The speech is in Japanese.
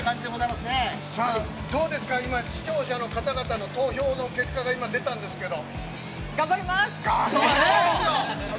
さあ、どうですか、今、視聴者の方々の投票の結果が今出たんですけど。